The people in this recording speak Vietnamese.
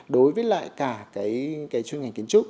đối với lại cả cái chuyên ngành kiến trúc